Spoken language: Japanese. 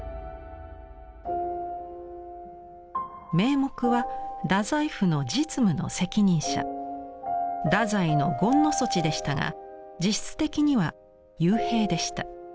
名目は大宰府の実務の責任者大宰権帥でしたが実質的には幽閉でした。